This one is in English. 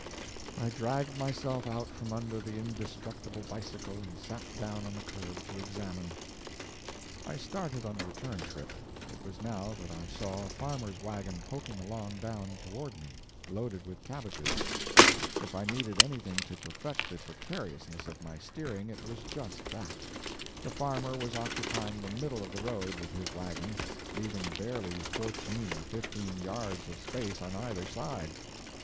I dragged myself out from under the indestructible bicycle and sat down on the curb to examine. I started on the return trip. It was now that I saw a farmer's wagon poking along down toward me, loaded with cabbages. If I needed anything to perfect the precariousness of my steering, it was just that. The farmer was occupying the middle of the road with his wagon, leaving barely fourteen or fifteen yards of space on either side.